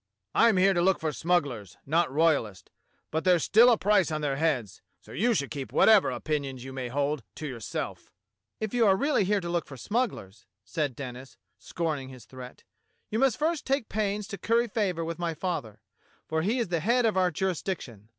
I am here to look for smugglers, not royalists, but there's still a price on their heads, so you should keep whatever opinions you may hold to yourself." " If you are really here to look for smugglers," said Denis, scorning his threat, "you must first take pains to curry favour with my father, for he is the head of our THE CAPTAIN SI jurisdiction.